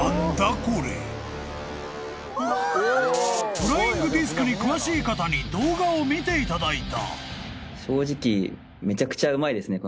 ［フライングディスクに詳しい方に動画を見ていただいた］